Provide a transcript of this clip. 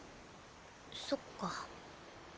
そっか。